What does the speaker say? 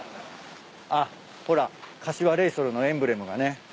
あっほら柏レイソルのエンブレムがね